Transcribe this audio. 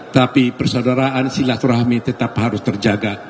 tapi persaudaraan silaturahmi tetap harus terjaga